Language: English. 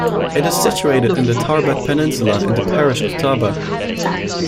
It is situated in the Tarbat Peninsula in the parish of Tarbat.